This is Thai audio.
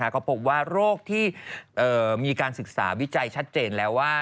ก็พบว่าโรคที่มีการศึกษาวิจัยชัดเจนแล้วว่า